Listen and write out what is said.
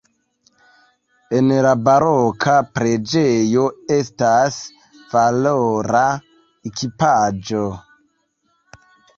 En la baroka preĝejo estas valora ekipaĵo.